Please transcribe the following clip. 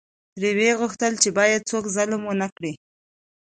ترې وې غوښتل چې باید څوک ظلم ونکړي.